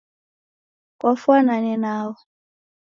Kwafanane nao